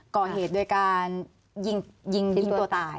ก่อเหตุโดยการยิงยิงตัวตาย